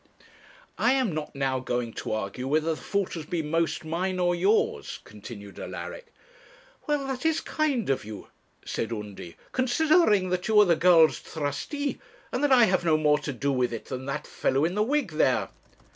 'I am not now going to argue whether the fault has been most mine or yours,' continued Alaric. 'Well, that is kind of you,' said Undy, 'considering that you are the girl's trustee, and that I have no more to do with it than that fellow in the wig there.'